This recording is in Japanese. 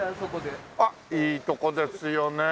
あっいいとこですよね。